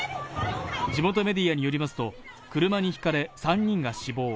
地元メディアによりますと、車にひかれ、３人が死亡。